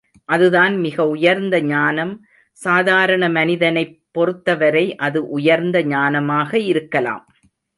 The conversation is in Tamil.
அதுதான் மிக உயர்ந்த ஞானம்! சாதாரண மனிதனைப் பொறுத்தவரை அது உயர்ந்த ஞானமாக இருக்கலாம்.